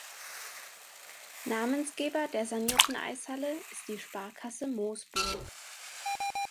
Namensgeber der sanierten Eishalle ist die Sparkasse Moosburg.